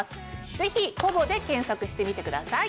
ぜひ「ｐｏｖｏ」で検索してみてください！